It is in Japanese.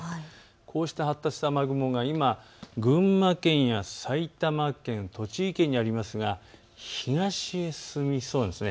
こうした発達した雨雲が今群馬県や埼玉県、栃木県にありますが東へ進みそうなんです。